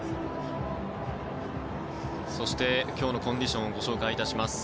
そして、今日のコンディションをご紹介いたします。